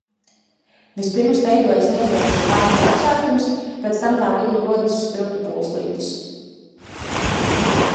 Vispirms veidojas niezošs ādas apsārtums, pēc tam tā vidū rodas strutu pūslītis.